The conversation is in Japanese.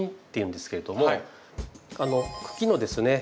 茎のですね